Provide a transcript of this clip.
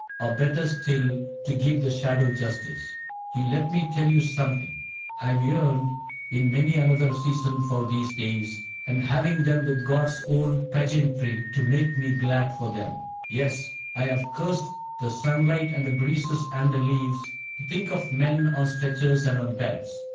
Or better still, to give the shadow justice. You let me tell you something : I have yearned In many another season for these days. And having them with God's own pageantry To make me glad for them, — yes, I have cursed The sunlight and the breezes and the leaves To think of men on stretchers and on beds.